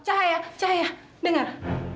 caya caya denger